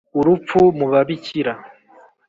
urupfu mu babikira